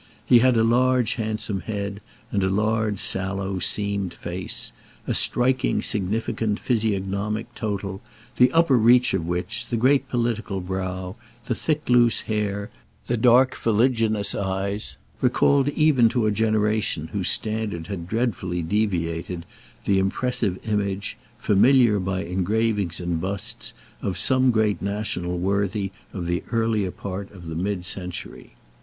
He had a large handsome head and a large sallow seamed face—a striking significant physiognomic total, the upper range of which, the great political brow, the thick loose hair, the dark fuliginous eyes, recalled even to a generation whose standard had dreadfully deviated the impressive image, familiar by engravings and busts, of some great national worthy of the earlier part of the mid century.